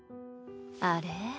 あれ？